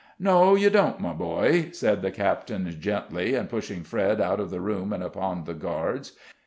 "No, you don't, my boy," said the captain, gently, and pushing Fred out of the room and upon the guards.